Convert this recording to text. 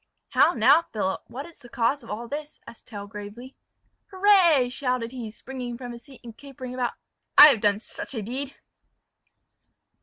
"How now, Philip! what is the cause of all this?" asked Tell gravely. "Hurrah!" shouted he, springing from his seat, and capering about, "I have done such a deed!"